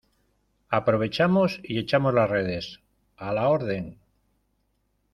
aprovechamos y echamos las redes. a la orden .